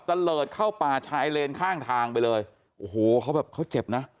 เลิศเข้าป่าชายเลนข้างทางไปเลยโอ้โหเขาแบบเขาเจ็บนะ